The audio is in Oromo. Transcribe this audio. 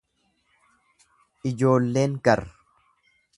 Ijoolleen gar